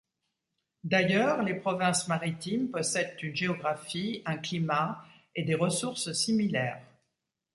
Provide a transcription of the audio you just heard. D'ailleurs, les provinces maritimes possèdent une géographie, une climat et des ressources similaires.